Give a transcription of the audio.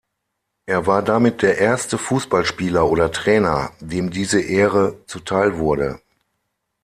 Er war damit der erste Fußballspieler oder -trainer, dem diese Ehre zuteilwurde.